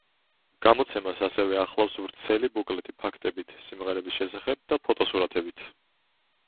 გამოცემას ასევე ახლავს ვრცელი ბუკლეტი ფაქტებით სიმღერების შესახებ და ფოტოსურათებით.